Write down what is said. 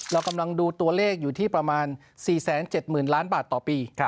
เรากำลังดูตัวเลขอยู่ที่ประมาณ๔๗๐๐๐ล้านบาทต่อปี